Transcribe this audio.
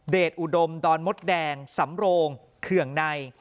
อุดมดอนมดแดงสำโรงเขื่องใน